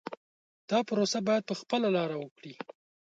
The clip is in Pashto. دا پروسه باید په خپله لاره وکړي.